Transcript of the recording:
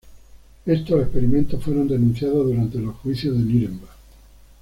Estos experimentos fueron denunciados durante los Juicios de Núremberg.